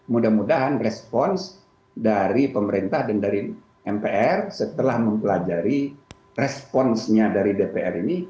mudah mudahan respons dari pemerintah dan dari mpr setelah mempelajari responsnya dari dpr ini